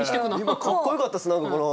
今かっこよかったっす何かこの。